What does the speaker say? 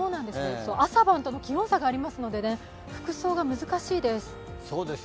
朝晩との気温差がありますので服装が難しいです。